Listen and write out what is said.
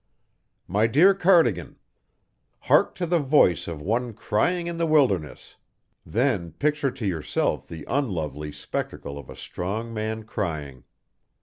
MY DEAR CARDIGAN: Hark to the voice of one crying in the wilderness; then picture to yourself the unlovely spectacle of a strong man crying.